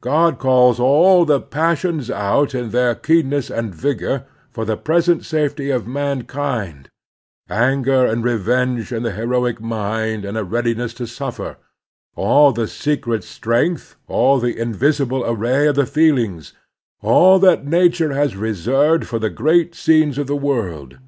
God calls all the passions out in their keenness and vigor for the present safety of mankind, anger and revenge and the heroic mind, and a readiness to suffer — all the secret strength, all the invisible array of the feel ings — all that nature has reserved for the great scenes of the world.